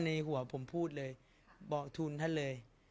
สงฆาตเจริญสงฆาตเจริญ